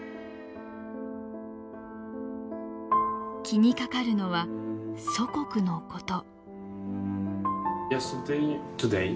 気にかかるのは祖国のこと。